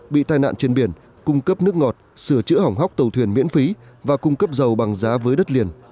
bị tai nạn trên biển cung cấp nước ngọt sửa chữa hỏng hóc tàu thuyền miễn phí và cung cấp dầu bằng giá với đất liền